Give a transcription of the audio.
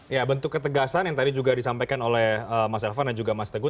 ya bentuk ketegasan yang tadi juga disampaikan oleh mas elvan dan juga mas teguh